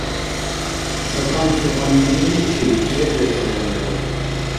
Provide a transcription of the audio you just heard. Цакамси кьаниъниличи чердерхирая.